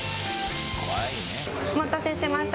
お待たせしました。